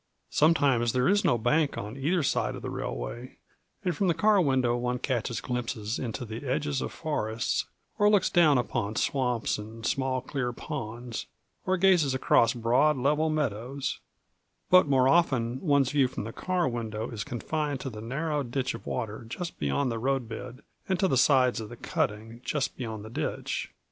Sometimes there is no bank on either side of the railway, and from the car window one catches glimpses into the edges of forests, or looks down upon swamps and small clear ponds, or gazes across broad level meadows; but more often one's view from the car window is confined to the narrow ditch of water just beyond the road bed and to the sides of the cutting just beyond the ditch.